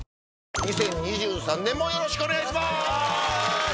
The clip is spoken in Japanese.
２０２３年もよろしくお願いします。